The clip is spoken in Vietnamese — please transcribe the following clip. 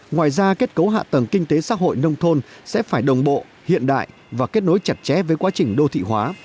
ngoài ra kết cấu hạ tầng kinh tế xã hội nông thôn sẽ phải đồng bộ hiện đại và kết nối chặt chẽ với quá trình đô thị hóa